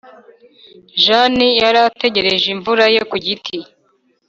] jane yari ategereje inyuma ye ku giti.